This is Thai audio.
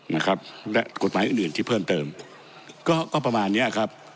นะครับและกฎหมายอื่นอื่นที่เพิ่มเติมก็ก็ประมาณเนี้ยครับ